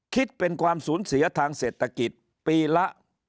คิดเป็นความสูญเสียทางเศรษฐกิจปีละ